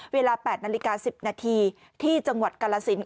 เวลา๘นาฬิกา๑๐นาทีที่จังหวัดกาลสิน